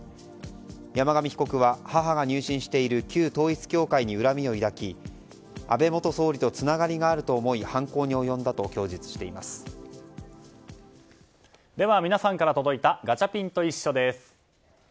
山上被告は母が入信している旧統一教会に恨みを抱き安倍元総理とつながりがあると思いでは皆さんから届いたガチャピンといっしょ！です。